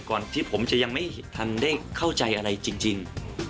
ก่อนที่ผมจะยังไม่ทันได้เข้าใจอะไรจริง